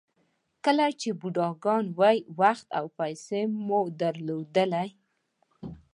کله چې بوډاګان وئ وخت او پیسې مو درلودې.